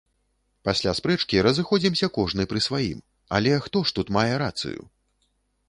Пасля спрэчкі разыходзімся кожны пры сваім, але хто ж тут мае рацыю?